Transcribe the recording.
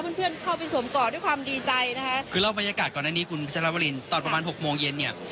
เพื่อนเพื่อนเข้าไปสวมกอดด้วยความดีใจนะคะคือเล่าบรรยากาศก่อนอันนี้คุณพัชรวรินตอนประมาณหกโมงเย็นเนี่ย